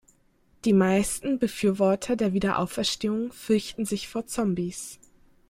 Die meisten Befürworter der Wiederauferstehung fürchten sich vor Zombies.